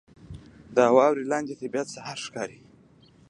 • د واورې لاندې طبیعت سحر ښکاري.